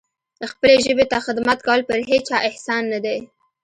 خپلې ژبې ته خدمت کول پر هیچا احسان نه دی.